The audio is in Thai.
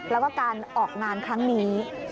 แล้วก็การออกงานครั้งนี้